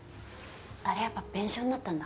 あれやっぱ弁償になったんだ。